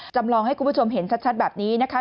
จำลองให้คุณผู้ชมเห็นชัดแบบนี้นะคะ